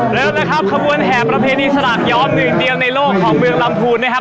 เริ่มแล้วครับขบวนแห่ประเภทอิสระยอมหนึ่งเดียวในโลกของเมืองลำพูนนะครับ